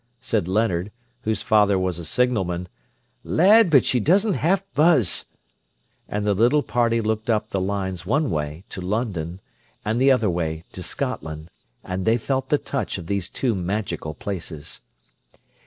said Leonard, whose father was a signalman. "Lad, but she doesn't half buzz!" and the little party looked up the lines one way, to London, and the other way, to Scotland, and they felt the touch of these two magical places.